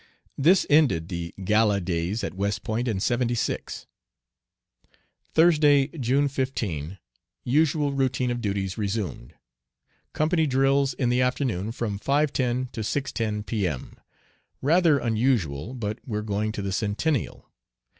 This ended the "gala" days at West Point in '76. Thursday, June 15. Usual routine of duties resumed. Company drills in the afternoon from 5.10 to 6.10 P.M. Rather unusual, but we're going to the Centennial.